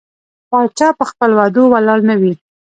پاچا په خپل وعدو ولاړ نه وي.